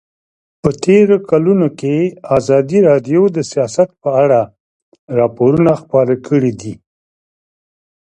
په تېرو کلونو کې ازادي راډیو د سیاست په اړه راپورونه خپاره کړي دي.